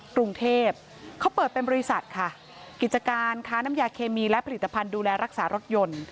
กรุงเทพเขาเปิดเป็นบริษัทค่ะกิจการค้าน้ำยาเคมีและผลิตภัณฑ์ดูแลรักษารถยนต์